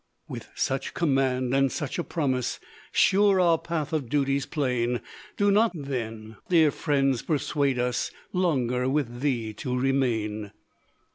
"With such command, and such a promise, Sure our path of duty's plain; Do not then, dear friends, persuade us Longer with thee to remain."